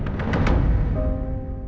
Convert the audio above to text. tapi dia sangat peduli